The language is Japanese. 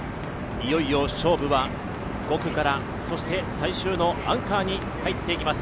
いよいよ勝負は５区からそして最終のアンカーに入っていきます。